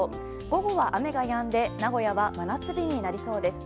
午後は雨がやんで名古屋は真夏日になりそうです。